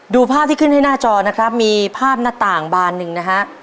ภาพที่ขึ้นให้หน้าจอนะครับมีภาพหน้าต่างบานหนึ่งนะฮะ